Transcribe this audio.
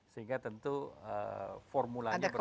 sehingga tentu formulanya berbeda